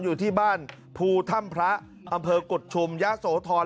อยู่ที่บ้านภูถ้ำพระอำเภอกุฎชุมยะโสธร